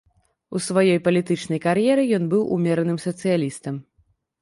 У сваёй палітычнай кар'еры ён быў умераным сацыялістам.